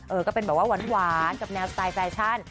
ก็เป็นแบบว่าหวานกับแนวสไตล์แฟชั่น